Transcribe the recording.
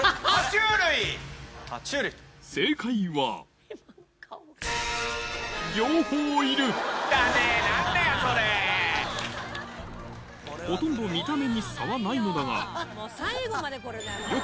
正解はほとんど見た目に差はないのだが最後までこれだよ。